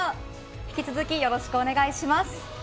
引き続きよろしくお願いします。